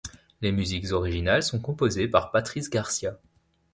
Les musiques originales sont composées par Patrice Garcia.